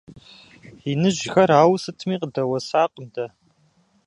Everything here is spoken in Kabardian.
Иныжьхэр ауэ сытми къыдэуэсакъым дэ.